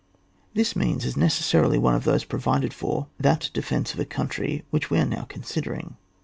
This means is necessarily one of those provided for that defence of a country which we are now considering.